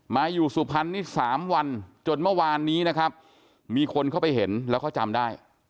มาอยู่สุพรรณนี่๓วันจนเมื่อวานนี้นะครับมีคนเข้าไปเห็นแล้วเขาจำได้